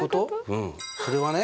うんそれはね